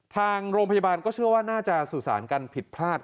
ทางโรงพยาบาลก็เชื่อว่าน่าจะสื่อสารกันผิดพลาด